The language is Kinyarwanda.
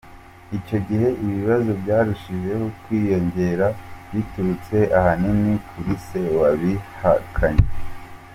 Icyo gihe ibibazo byarushijeho kwiyongera biturutse ahanini kuri se wabihakanye.